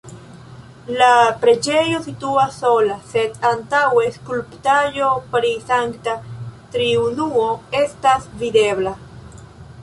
La preĝejo situas sola, sed antaŭe skulptaĵo pri Sankta Triunuo estas videbla.